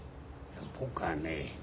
僕はね